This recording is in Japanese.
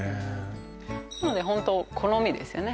なのでホント好みですよね